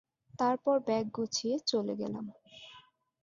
তারপর ব্যাগ গুছিয়ে চলে গেলাম।